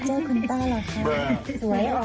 เจอคุณตาหรอลูก